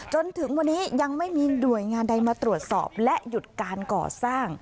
จนถึงวันนี้ยังไม่มีหน่วยงานใดมาตรวจสอบและหยุดการก่อสร้าง